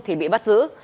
thì bị bắt giữ